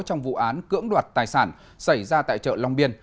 trong vụ án cưỡng đoạt tài sản xảy ra tại chợ long biên